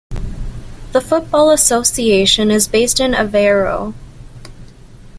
The Football Association is based in Aveiro.